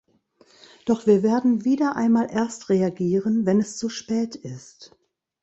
Doch wir werden wieder einmal erst reagieren, wenn es zu spät ist!